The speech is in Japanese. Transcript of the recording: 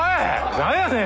何やねん。